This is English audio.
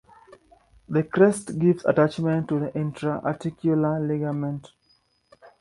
The crest gives attachment to the intra-articular ligament.